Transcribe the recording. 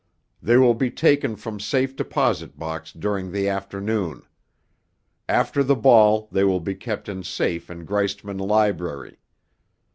They will be taken from safe deposit box during the afternoon. After the ball they will be kept in safe in Greistman library.